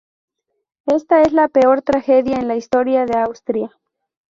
Esta es la peor tragedia en la historia de Austria.